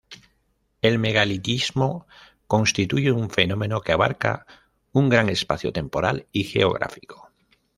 El megalitismo constituye un fenómeno que abarca un gran espacio temporal y geográfico.